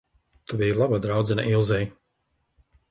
Tu biji laba draudzene Ilzei.